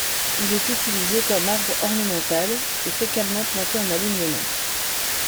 Il est utilisé comme arbre ornemental, et fréquement planté en alignement.